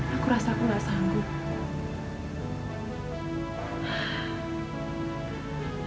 aku rasa aku gak sanggup